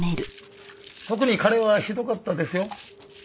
特に彼はひどかったですよ。